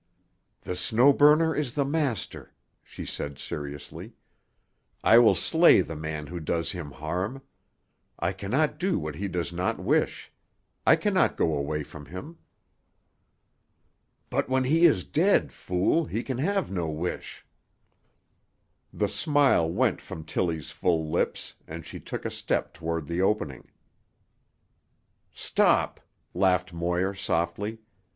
"The Snow Burner is the master," she said seriously. "I will slay the man who does him harm. I can not do what he does not wish. I can not go away from him." "But when he is dead, fool, he can have no wish." The smile went from Tillie's full lips and she took a step toward the opening. "Stop," laughed Moir softly.